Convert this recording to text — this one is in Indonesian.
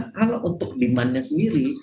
kalau untuk demandnya sendiri